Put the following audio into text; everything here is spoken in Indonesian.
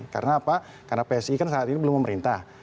karena apa karena psi kan saat ini belum memerintah